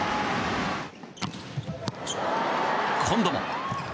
今度も。